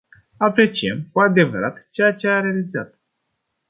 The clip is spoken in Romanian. Apreciem, cu adevărat, ceea ce a realizat.